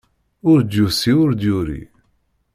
Ur d-yusi ur d-yuri.